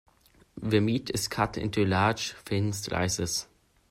The meat is cut into large, thin slices.